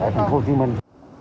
thành phố hồ chí minh